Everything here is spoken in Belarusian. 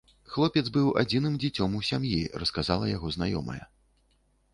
Хлопец быў адзіным дзіцём у сям'і, расказала яго знаёмая.